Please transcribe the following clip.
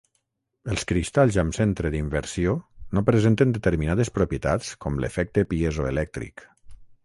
Els cristalls amb centre d'inversió no presenten determinades propietats com l'efecte piezoelèctric.